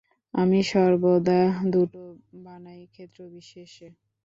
আমি সর্বদা দুটো বানাই, ক্ষেত্রবিশেষে।